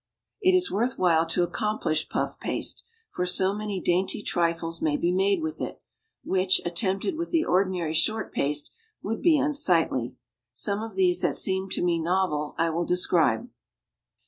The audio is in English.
It is worth while to accomplish puff paste, for so many dainty trifles may be made with it, which, attempted with the ordinary short paste, would be unsightly. Some of these that seem to me novel I will describe.